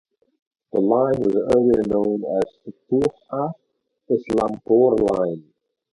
The line was earlier known as Fatuha–Islampur line.